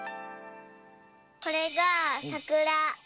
これがさくら！